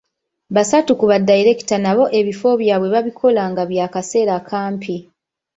Basatu ku badayireekita nabo ebifo byabwe babikola nga bya kaseera kampi.